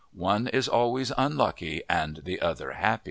One is always unlucky and the other happy.